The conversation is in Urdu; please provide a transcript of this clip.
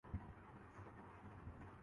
جہاں شور اور ٹریفک برائے نام تھی۔